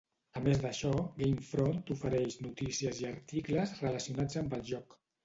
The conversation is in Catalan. A més d'això, GameFront ofereix notícies i articles relacionats amb el joc.